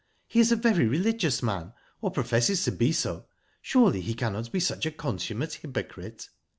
He is a very religious man, or professes to be so. Surely he cannot be such a consummate hyprocrite."